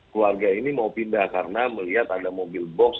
keluarga ini mau pindah karena melihat ada mobil box